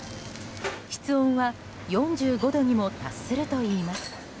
室温は４５度にも達するといいます。